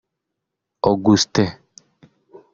Augustin